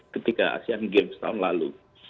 ketika asean games tahun lalu